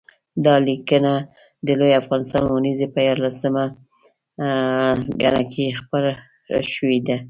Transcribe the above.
دا لیکنه د لوی افغانستان اوونیزې په یارلسمه ګڼه کې خپره شوې ده